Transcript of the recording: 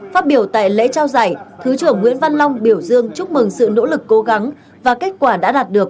phát biểu tại lễ trao giải thứ trưởng nguyễn văn long biểu dương chúc mừng sự nỗ lực cố gắng và kết quả đã đạt được